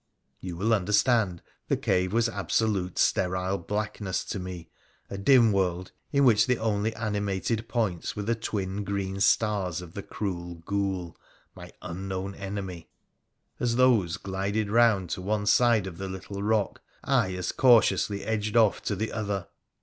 You will understand the cave was absolute sterile blackness to me, a dim world in which the only animated points were the twin green stars of the cruel ghoul, my unknown enemy. As those glided round to one side of the little rock, I as cautiously edged off to the other.